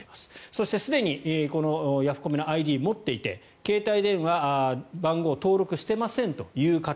そしてすでにこのヤフコメのＩＤを持っていて携帯電話番号を登録してませんという方